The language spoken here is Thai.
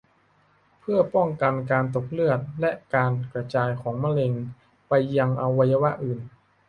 เพื่อป้องกันการตกเลือด และการกระจายของมะเร็งไปยังอวัยวะอื่น